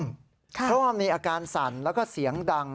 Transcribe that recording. เพราะว่ามีอาการสั่นแล้วก็เสียงดัง